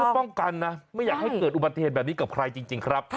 ป้องกันนะไม่อยากให้เกิดอุบัติเหตุแบบนี้กับใครจริงครับ